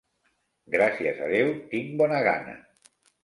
Gràcies a Déu, tinc bona gana.